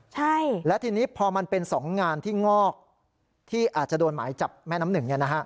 ใช่และทีนี้พอมันเป็น๒งานที่งอกที่อาจจะโดนหมายจับแม่น้ำหนึ่ง